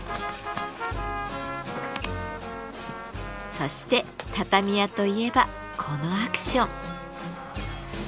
そして畳屋といえばこのアクション。